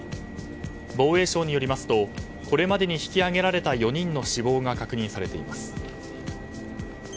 防衛省によりますとこれまでに引き上げられた４人の死亡が確認されています。